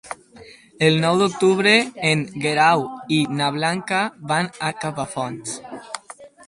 El nou d'octubre en Guerau i na Blanca van a Capafonts.